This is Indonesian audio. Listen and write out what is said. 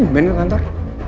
ben ke kantor